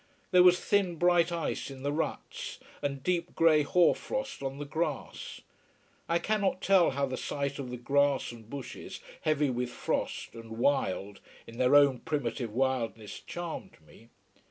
There was thin, bright ice in the ruts, and deep grey hoar frost on the grass. I cannot tell how the sight of the grass and bushes heavy with frost, and wild in their own primitive wildness charmed me.